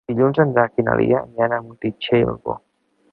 Dilluns en Drac i na Lia aniran a Montitxelvo.